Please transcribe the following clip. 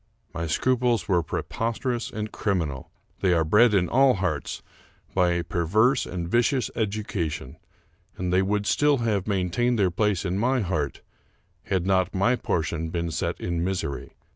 My scruples were pre posterous and criminal. They are bred in all hearts by a perverse and vicious education, and they would still have 250 Charles Brockdcn Brown maintained their place in my heart, had not my portion been set in misery.